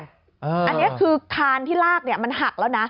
อันนี้คือคานที่ลากมันหักแล้วนะ